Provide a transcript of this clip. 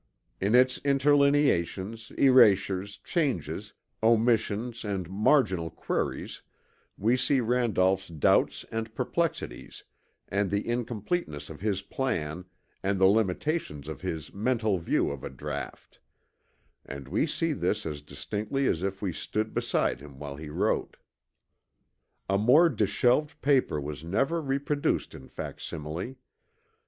In its interlineations, erasures, changes, omissions and marginal queries we see Randolph's doubts and perplexities and the incompleteness of his plan and the limitations of his mental view of a draught; and we see this as distinctly as if we stood beside him while he wrote. A more disheveled paper was never reproduced in facsimile.